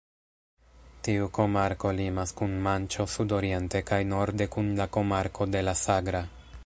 Tiu komarko limas kun Manĉo sudoriente kaj norde kun la komarko de la Sagra.